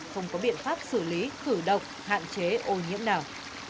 không có biện pháp xử lý thử độc hạn chế ô nhiễm nào